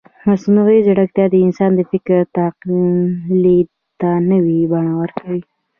مصنوعي ځیرکتیا د انسان د فکر تقلید ته نوې بڼه ورکوي.